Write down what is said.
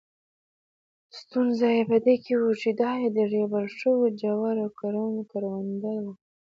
ستونزه یې په دې کې وه چې دا د ریبل شوو جوارو کرونده وه.